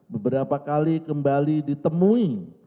beberapa kali kembali ditemui